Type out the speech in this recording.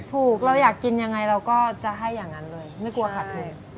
เราอยากกินยังไงเราก็จะให้อย่างนั้นเลยไม่กลัวขัดเลย